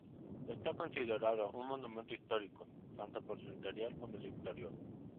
Está considerado un monumento histórico, tanto por su interior como el exterior.